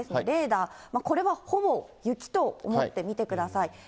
レーダー、これはほぼ雪と思って見てください。